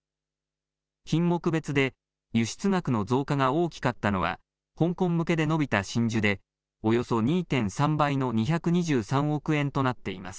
品目別で輸出額の増加が大きかったのは、香港向けで伸びた真珠で、およそ２．３倍の２２３億円となっています。